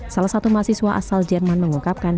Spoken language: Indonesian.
salah satu mahasiswa asal jerman mengungkapkan